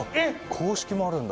硬式もあるんだ。